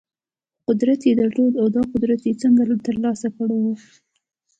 خو قدرت يې درلود او دا قدرت يې څنګه ترلاسه کړی و؟